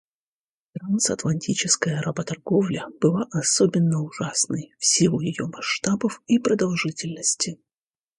Трансатлантическая работорговля была особенно ужасной в силу ее масштабов и продолжительности.